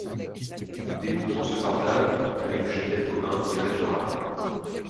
Des moutons se partagent, avec le cheptel bovin, les pâturages.